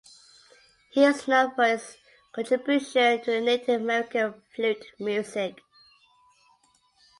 He is known for his contribution to the Native American flute music.